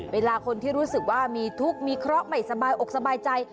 เวลาคนที่รู้สึกว่ามีทุกข์มีเคราะห์ไม่สบายอกสบายใจ